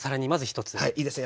はいいいですね。